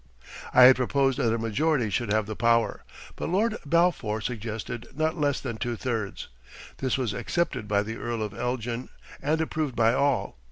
I had proposed that a majority should have the power, but Lord Balfour suggested not less than two thirds. This was accepted by the Earl of Elgin and approved by all.